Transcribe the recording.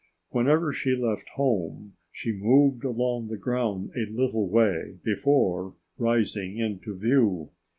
Whenever she left her home she moved along the ground a little way before rising into view.